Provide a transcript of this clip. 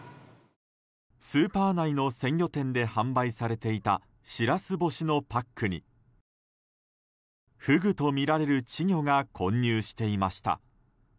スーパー内の鮮魚店で販売されていたシラス干しのパックにフグとみられる稚魚が混入していました。